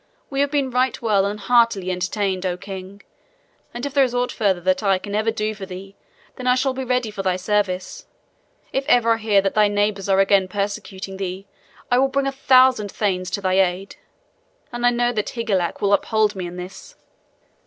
We have been right well and heartily entertained, O king, and if there is aught further that I can ever do for thee, then I shall be ready for thy service. If ever I hear that thy neighbors are again persecuting thee, I will bring a thousand thanes to thy aid; and I know that Higelac will uphold me in this."